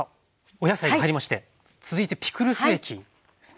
お野菜が入りまして続いてピクルス液ですね。